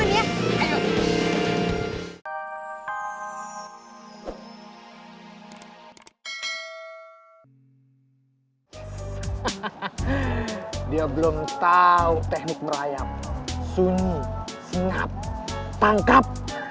udah belum tau teknik merayap sunyi sinap tangkap